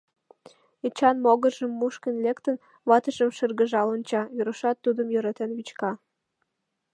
Эчан могыржым мушкын лектын, ватыжым шыргыжал онча, Верушат тудым йӧратен вӱчка...